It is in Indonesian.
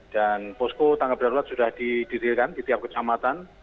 dan posko tangga darurat sudah didirikan di tiap kecamatan